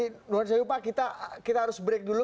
tidak lupa kita harus break dulu